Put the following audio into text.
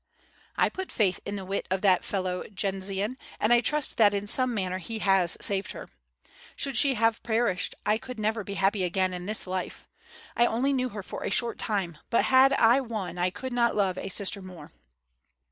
"I put faith in the wit of that fellow Jendzian, and I trust that in some manner he has saved her. Should she have per ished I could never be happy again in this life. I only knew her for a short time, but had I one I could not love a sister more."